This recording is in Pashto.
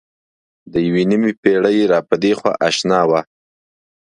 د یوې نیمې پېړۍ را پدېخوا اشنا وه.